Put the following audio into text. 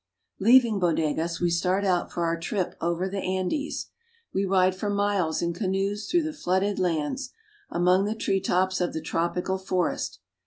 Leaving Bodegas, we st art out for our trip over the Andes. We ride for miles in canoes through the flooded lands, among the treetops of the tropical forest.